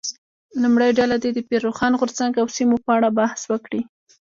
لومړۍ ډله دې د پیر روښان غورځنګ او سیمو په اړه بحث وکړي.